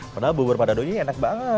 padahal bubur padado ini enak banget